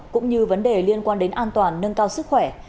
cũng như vấn đề liên quan đến an toàn nâng cao sức khỏe